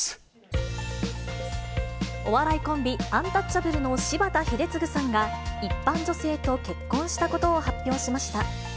お笑いコンビ、アンタッチャブルの柴田英嗣さんが、一般女性と結婚したことを発表しました。